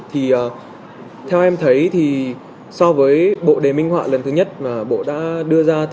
theo em thấy so với bộ đề minh họa lần thứ nhất mà bộ đã đưa ra